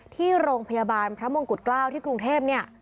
ที่โรงพยาบาลพระมงกุฎเกล้าที่กรุงเทพเนี่ย